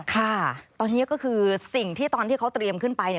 ค่ะตอนนี้ก็คือสิ่งที่ตอนที่เขาเตรียมขึ้นไปเนี่ย